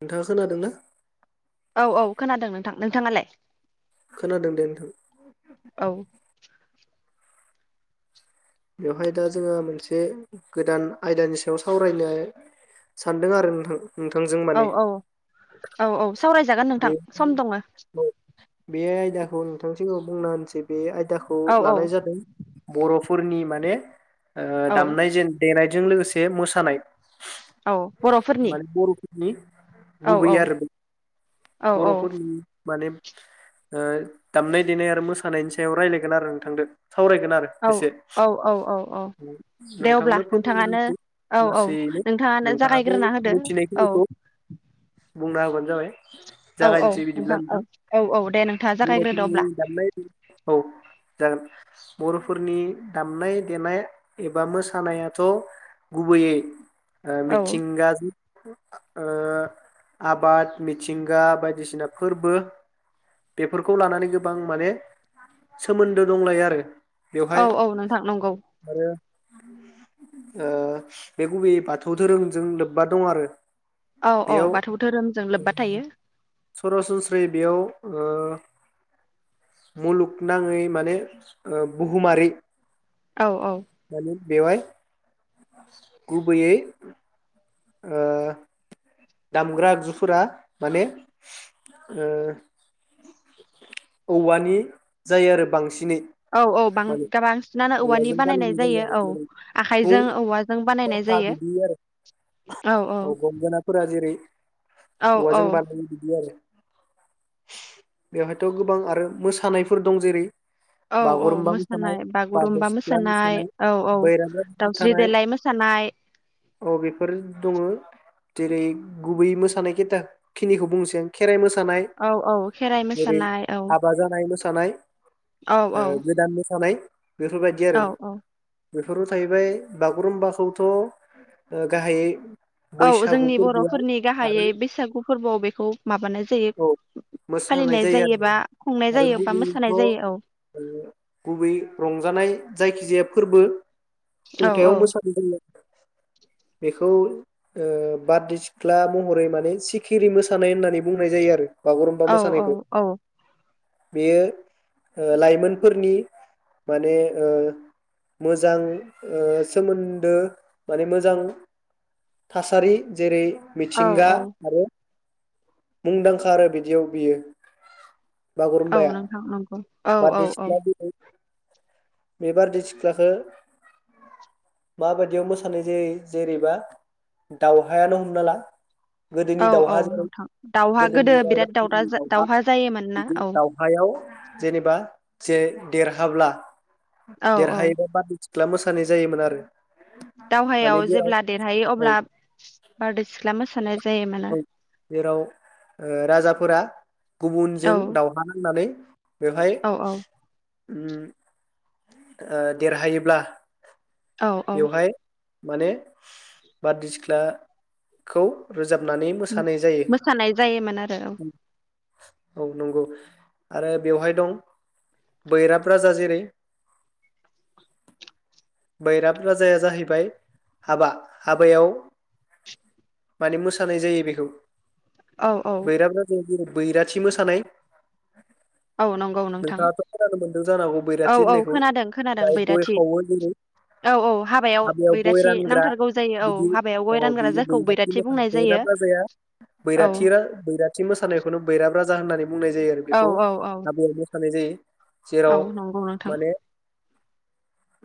नोंथाङा खोनादों ना? औ औ खोनादों नोंथां, नोंथाङालाय? खोनादों दे नोंथां। औ बेवहाय दा जोंहा मोनसे गोदान आयदानि सायाव सावरायनो सानदों आरो नोंथां। नोंथांजों औ माने औ औ औ सावरायजागोन बे नोंथां सम दङो। बे आयदाखौ नोंथांनि सिगाङाव बुंना होनिसै बे आय दाखौ औ औ लानाय जादों बर'फो फोरनि माने ओ औ दामनाय जेन देनाय जों लोगोसे मोसानाय औ बर'फोरनि [unintelligible] औ गुबै औ आरो औ औ बर'फोरनि माने ओ दामनाय देनाय आरो मोसानायनि सायाव रायलायगोन आरो नोंथांदो। सावरायगोन आरो एसे। औ औ औ औ दे अब्ला नोंथांनो फोरमायनो नोंथाङानो नांगौ औ औ लासैैनो नोंथाङानो नोंथाङाबो जागायग्रोना होदो औ मिथिनायखिनिखौ बुंना होबानो जाबाय। औ औ जागायनोसै बिदिब्ला औ नोंथां। औ औ दे नोंथाङा जागायग्रोदो बर'फोरनि अब्ला दामनाय [unintelligible] जागोन। बर'फोरनि दामनाय देनाय एबा मोसानायाथ' गुबैयै ओ औ मिथिंगाजो ओ, आबाद मि थिंगा बायदिसिना फोरबो, बेफोरखौ लानानै गोबां माने सोमोन्दो दंलायो आरो। औ बेवहाय औ नोंथां नंगौ। आरो ओ, बे गुबैयै बाथौ धोरोमजों लोब्बा दं आरो। औ औ बेयाव बाथौ धोरोमजों लोब्बा थायो सरासनस्रायै बेयाव ओ, मुलुगनाङै माने बुहुमारि औ औ। माने बेवहाय गुबैयै ओ, दामग्रा आगजुफोरा माने ओ औवानि जायो आरो बांसि औ औ बां गोबांसिनानो औवानि औवाजों बानायनाय जायो। आरो औ जेरै सिफुं आखाइजों औवाजों बानायनाय थरखा जायो, बिदि आरो औ औ जेरै औ औवाजों औ बानायो बिदि आरो। बेवहायथ गोबां आरो मोसानायफोर दं, जेरै औ औ बागुरुम्बा मोसा मोसानाय, बारदै सिख्ला मोसानाय, औ औ बैरामाब दाउस्रि मोसानाय देलाय मोसानाय औ बेफोर दङ। जेरै गुबै मोसानाय खेथा खिनिखौ बुंनोसै आं, खेराइ मोसा नाय, औ औ खेराइ जेरै मोसानाय औ हाबा जानाय मोसानाय, औ ओ औ गोदान मो नाय बेफोरबायदि आरो। औ औ बेफोराव थाहैबाय बागुरुम्बा खौथ गाहायै औ, बैसागु जोंनि फोरबोआव बरफोरनि आरो गाहायै बैसागु फोर्बोआव बेखौ माबानाय जायो औ, मोसानाय फालिनाय जायो आरो, जायोबा खुंनाय आरो जायो बा गुबैयैथ मोसानाय ओ जायो गुबै रंजानाय जायखि जाया फोर्बो औ खुंथायाव औ मोसानो जोङो बेखौ ओ बारदै सिख्ला महरै माने सिखिरि मोसानाय होननानै बुंनाय जायो आरो। बागुरुम्बा औ मोसानायखौ औ बेयो ओ लाइमोनफोरनि माने ओ मोजां ओ सोमोन्दो माने मोजां थासारि जेरै औ मिथिंगा औ आरो मुंदांखा आरो बिदियाव बियो। औ बागुरुम्बाया नोंथां नंगौ बारदै सिख्ला जेरै बे बारदैसिख्लाखो माबादियाव मोसानाय जायो जेरैबा दावहायानो हमना ला औ गोदोनि औ दाावहाजों नोंथां दावहा गोदो बिराद गोदोनि दावरा दावहा जायोमोन [unintelligible] ना बिदि औ दावहायाव जेनेबा जे देरहाब्ला औ औ देरहायोब्ला [unintelligible] सिख्ला मोसानाय जायोमोन आरो। माने दावहायाव जेराव जेब्ला देरहायो औ अब्ला बारदै सिख्ला मोसानाय जायो मोना जेराव ओ राजाफोरा औ गुबुनजों दावहा नांनानै बेवहाय औ उ ओ देरहायोब्ला औ औ बेवहाय माने बादै सिख्ला खौ जाबनानै उम मोसानाय जायो मोसानाय जायोमोन आरो औ नंगौ आरो बेवहाय दं बैराब राजा जेरै बैराब राजाया जाहैबाय हाबा हाबायाव माने मोसानाय जायो बेखौ औ औ बैराब राज [unintelligible] बैराथि मोसानाय औ नंगौ नोंथां नोंथाङाथ खोनानो मोनदों जानोहागौ औ बैराथि औ होननायखौ खोनादों खोनादों जाय गय बैराथि खावो दिनै औ औ हाबायाव गय बैराथि रानग्रा नांथारगौ जायो औ बिदि हाबायाव अ गय रानग्रा बि जायखौ बैराथि बुंनाय मोसानायखौ जायो बैराबाफ्रा जाया औ बैराथि रा बैराथि मोसानायखौनो बैरा राजा होननानै बुंनाय जायो आरो औ बेखौ औ औ हाबायाव मोसानाय जायो। जेराव औ नंगौ नोंथां। माने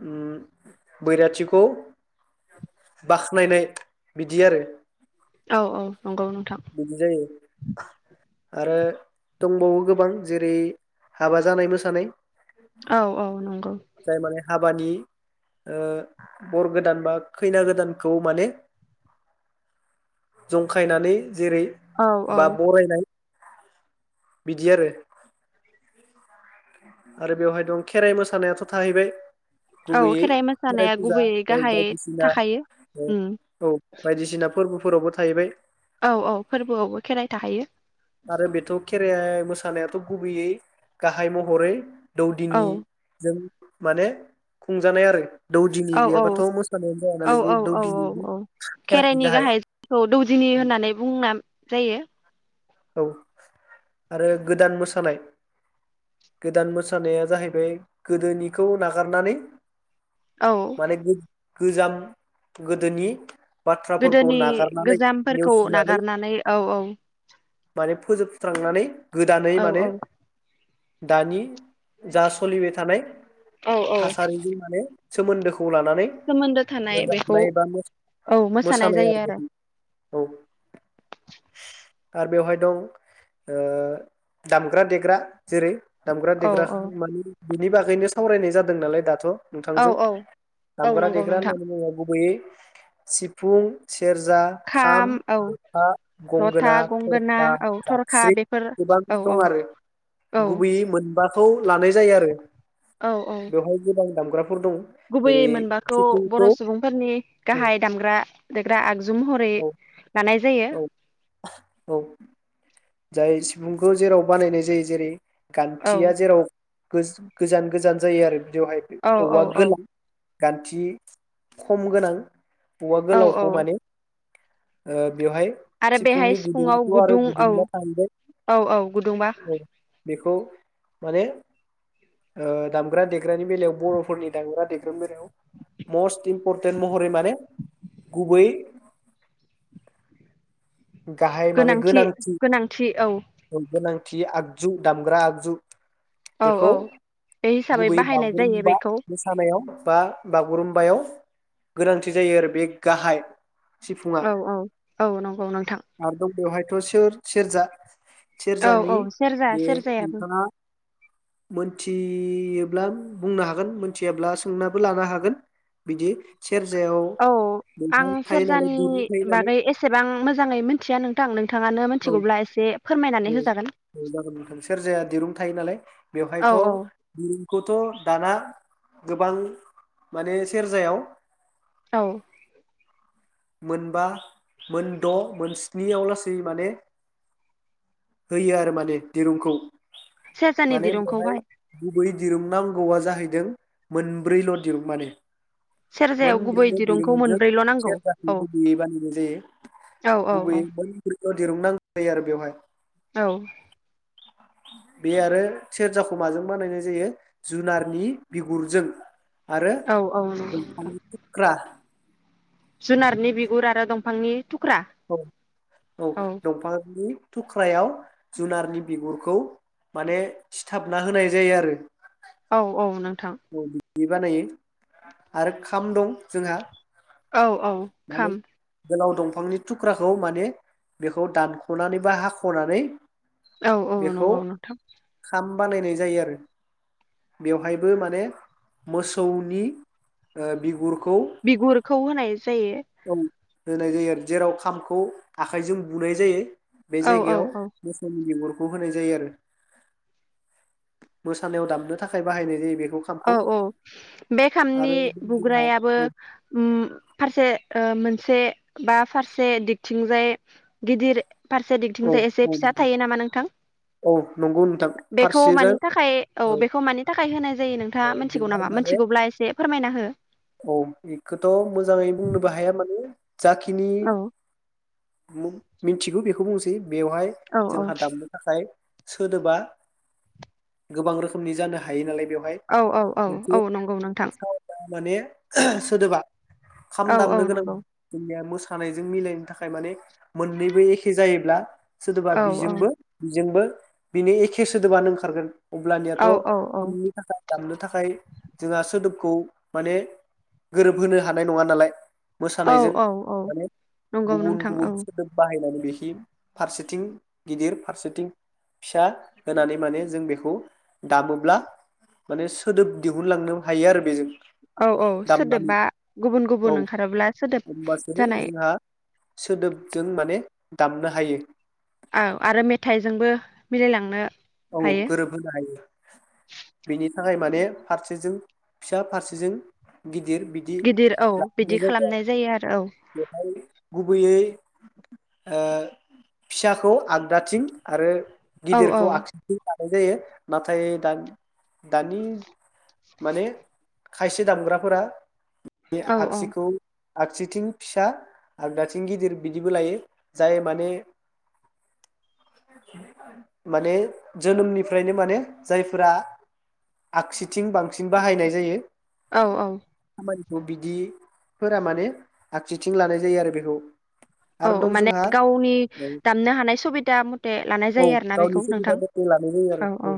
उम बैराथिखौ बाख्नायनाय बिदि आरो औ औ नंगौ नोंथां। बिदि जायो आरो दंबावो गोबां जेरै हाबा जानाय मोसानाय औ औ नंगौ जाय माने हाबानि ओ बर गोदान बा खैना गोदानखौ माने जंखायनानै जेरै औ औ बा बरायनाय बिदि आरो आरो बेवहाय दं खेराइ मोसानायाथ थाहैबाय औ गुबैयै खेराइ खेराय मोसानाया फुजा गुबैयै गाहायै बायदिसिना थाखायो ओ उम औ बायदिसिना फोरबोफोरावबो थाहैबाय औ औ फोरबोआवबो खेराइ थाखायो। आरो बेथ' खेराइ मोसानायाथ गुबैयै गाहाय महरै औ दौदिनि जों माने खुंजानाय आरो दौदिनि औ औ गैयाबाथ' मोसानायानो जाया औ नालाय औ औ औ दौदिनिनि औ खेराइनि गाहाइखौ दौदिनि होननानै बुंना जायो। औ आरो गोदान मोसानाय गोदान मोसानाया जाहैबाय गोदोनिखौ नागारनानै औ माने गो गोजाम गोदोनि बाथ्राफोरखौ गोदोनि नागारनानै गोजामफोरखौ नेवसिनानै नागारनानै औ औ। माने फोजोबस्रांनानै गोदानै औ माने औ दानि जा सोलिबाय थानाय औ औ थासारिजों माने सोमोन्दोख खौ लानानै सोमोन्दो थानाय बेखौ रोजाबनाय बा मोसानाय मोसानाय आरो औ आरो बेवहाय दं ओ दामग्रा देग्रा। जेरै दामग्रा औ देग्राखो औ मानि बिनि बागैनो सावरायनाय जादों नालाय दाथ' औ नोंथांजों औ औ दामग्रा नंगौ देग्रा नोंथां होननानै बुङोब्ला गुबैयै सिफुं सि सेरजा, खाम, जथा, जथा गंगोना गंगोना दा औ थरखा जाबस्रिं बेफोर गोबां औ औ दं आरो औ गुबैयै मोनबाखौ लानाय जायो आरो औ औ दामग्रा गुबैयै मोनबाखौ बर सुबुंफोरनि औ गाहाय दामग्रा देग्रा आग जु महरै औ लानाय जायो औ औ जाय सिफुंखौ जेराव बानायनाय जायो जेरै औ गान्थिया जेराव गोज गोजान गोजान जायो आरो औ [unintelligible] औवा औ औ गोला गान्थि खम गोनां औवा औ गोलावखौ औ माने ओ बेवहाय आरो बेहाय सिफुंनि सिफुङाव गुदुङाथ' आरो औ गुदुं औ औ गुदुंबा बेखौ माने ओ दामग्रा देग्रानि बेलायाव बरफोरनि दामग्रा देगानि बेलायाव मस्ट इम्परटेन्ट महरै माने गुबै गाहाय माने गोनांथि गोनांथि औ [unintelligible] आगजु दामग्रा आगजु औ बेखौ औ बे हिसाबै गुबैयै बाहायनाय जायो बागुरुम्बा बेखौ मोसानायाव बा बा बागुरुम्बायाव गोनांथि जायो आरो बे गाहाय। सिफुङा औ औ औ नंगौ। नोंथां आरो दं बेवहाय [unintelligible] सेरजा औ सेरजानि औ सेरजा बे सेरजायाबो नोंथाङा मोनथि मियोब्ला बुंनो हागोन मिथियाब्ला सोंनाबो लानो हागोन बिदि। सेरजायाव [unintelligible] बेवहाय थायो नालाय [unintelligible] दुरुं थायो नालाय नोंथांं नों औ औ होजागोन औ जागोन सोरजाया दिरुं थायो नालाय औ बेवहायथ औ दिरुं। खौथ दाना गोबां माने सेरजायाव। औ मोनबा मोनद मोनस्निआव लासै माने होयो आरो माने दिरुंखौ। सेराजानि दिरुंखौहाय बै दिरुंनांगौआ जाहैदों मोनब्रैल दिरुं माने। सेरजायाव गुबै दिरुंखौ मोनब्रैल नांगौ। बि औ बायदियै बानायनाय जायो औ औ गुबैयै मोनब्रैल। दिरुं नांगौ जायो आरो बेवहाय। औ बे आरो सेरजाखौ माजों बानायनाय जायो जुनारनि बिगुरजों। आरो औ औ दंफांनि थुख्रा। जुनारनि बिगुर आरो दंफांनि थुख्रा औ औ दंफांनि थुख्रायाव जुनारनि बिगुरखौ माने सिथाबना होनाय जायो आरो। औ औ नों औ बि दि बानायो आरो खाम दं जोंहा। औ औ माने खाम। गोलाव दंफांनि थुख्राखौ माने बेखौ दानखनानै बा हाखनानै औ औ बेखौ नंगौ नोंथां खाम बानायनाय जायो आरो बेवहाय बो माने मोसौनि ओ बिगुर बिगुरखौ होनाय जायो। औ होनाय जायो आरो जेराव खामखौ आखाइजों बुनाय जायो। बे औ जायगायाव औ औ मोसौनि बिगुर खौ होनाय जायो आरो मोसानायाव दामनो थाखाय बाहायनाय जायो। बेखौ खामखौ औ औ बे खामनि आरो जोंहा बुग्रायाबो औ ओम फारसे ओ मोनसे बा फारसे दिगथिंजाय गिदिर फारसे औ दिंथिंजाय एसे औ फिसा थायो नामा नोंथां औ नंगौ नोंथां बेखौ फारसेजों मानि थाखाय औ बेखौ मानि थाखाय होनाय जायो नों थांङा मोनथिगौ बेहाय नामा माने मोनथिगौब्ला एसे फोरमायना हो। औ बेखोथ मोजाङै बुंनोबो हाया माने जाखिनि औ मु मिथिगौ बेखौ बुंनोसै। बेवहाय औ औ जोंहा दामनो थाखाय सोदोबा गोबां रोखोमनि जानो हायो नालाय। बेवहाय औ औ औ मोनसे औ नंगौ नोंथां। ओहो सोदोबा खाम औ औ दामनो गोनां नंगौ [inaudible] मोसानायजों मिलायनो थाखाय माने मोननैबो एखे जायोब्ला सोदोबा औ बिजोंबो बिजोंबो बिनो एखे सोदोबानो ओंखारगोन। अब्लानियाथ औ औ खामनि थाखाय दामनो थाखाय जोंहा सोदोबखौ माने गोरोबहोनो हानाय नङा नालाय औ मोसानायजों औ औ माने नंगौ गुबुन नोंथां औ गुबुन सोदोब बाहायनानै बेह फारसेथिं गिदिर फारसेथिं फिसा होनानै माने जों बेखौ दामोब्ला माने सोदोब दिहुनलांनो हायो आरो बेजों। औ औ दामनानै सोदोबा गुबुन औ गुबुन ओंखारोब्ला सोदोब होमबासो जानाय जोंहा सोदोबजों माने दामनो हायो। औ आरो मेथाइजोंबो मिलायलांनो औ हायो गोरोबहोनो हायो बिनि थाखाय माने फारसेजों फिसा फारसेजों गि गिदिर बिदि गिदिर औ बिदि लाखिनाय जायो खालामनाय आरो बेहाय गुबैयै फिसाखौ आगदाथिं आरो औ औ गिदिरखौ आखि लानाय जायो नाथाय दानि दानि माने खायसे दामग्राफोरा बे औ आगसिखौ आगसिथिं फिसा आगदाथिं गिदिर बिदिबो लायो जाय माने माने जोनोमनिफ्रायनो माने जायफोरा आगसिथिं बांसिन बाहायनाय जायो। औ औ। खामानिखौ बिदिफोरा माने आगसिथिं लानाय जायो आरो बेखौ। औ आरो दं माने जोंहा गावनि दामनो हानाय सुबिदा मथे लानाय औ जायो आरोना गावनि बेखौ सुबिदा नोंथां। मथे लानाय जायो आरो औ औ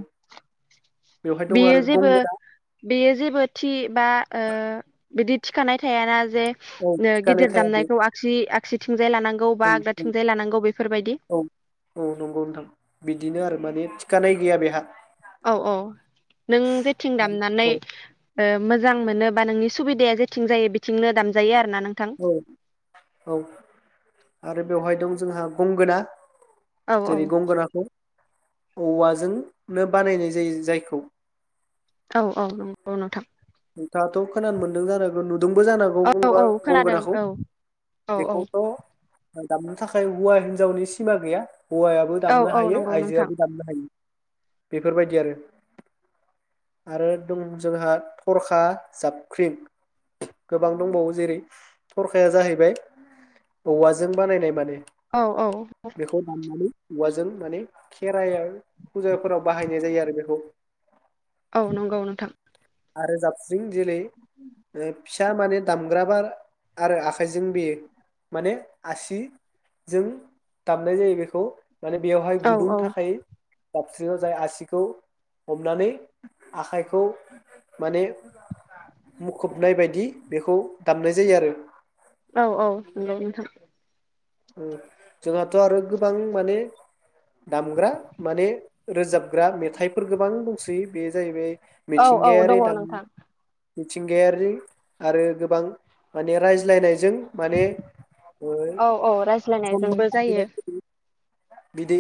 बेवहाय दं बेयो आरो जेबो गंगोना बेयो जेबो थि बा आ ओ बिदि थिखानाय थायाना जे औ ओ थिखानाय गिदिर थाया बे दामनायखौ आगसि आग [unintelligible] बेफोरबायदि औ औ नंगौ नोंथां बिदिनो आरो माने खानाय गैया बेहा। औ औ नों जेथिं दामनानै औ ओ मोजां मोनो बा नोंनि सुबिदाया जेथिं जायो बिथिंनो दामजायो आरो। औ औ आरो बेवहाय दं जोंहा गंगोना औ जेरै औ गंगोनाखौ औवाजोंनो बानायनाय जायो जायखौ। औ औ नंगौ नोंथां। नोंथाङाथ' खोनानो मोन्दों जानो हागौ नु दोंबो जानो हागौ औ गंगा औ खोनादों गंगोनाखौ औ औ औ बेखौथ' दामनो थाखाय हौवा हिनजावनि सिमा गैया। हौवायाबो औ दामनो औ हायो नंगौ आइजो नोंथां आबो दामनो हायो। बेफोर बायदि आरो आरो दं जोंहा थरखा जाबख्रिं गोबां दंबावो जेरै थरखाया जाहैबाय औवाजों बानायनाय माने। औ औ बेखौ दामनानै औवाजों माने खेराइआव फुजाफोराव बाहायनाय जायो आरो बेखौ। औ नंगौ नोंथां। आरो जाबस्रिं जेरै ओ फिसा माने दामग्राबार आरो आखाइजों बेयो माने आसिजों दामनाय जायो बेखौ। माने बेवहाय औ गुदुं औ थाखायो। दाबस्रियाव जाय आसिखौ हमनानै आखाइखौ माने मुखुबनाय बायदि बेखौ दामनाय जायो आरो। औ औ नंगौ नोंथां। ओ जोंहाथ' आरो गोबां माने दामग्रा माने रोजाबग्रा मेथाइफोर गोबां दंसै बे जाहैबाय औ औ दङ मिथिंगायारि दाम नोंथां। मिथिंगायारि आरो गोबां माने रायज्लायनायजों माने ओ अ रायज्लायनायजोंबो जायो। बिदि